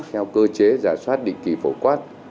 theo cơ chế giả soát định kỳ phổ quát